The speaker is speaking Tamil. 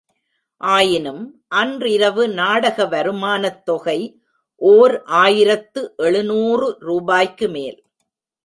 ஆயினும், அன்றிரவு நாடக வருமானத் தொகை ஓர் ஆயிரத்து எழுநூறு ரூபாய்க்குமேல்!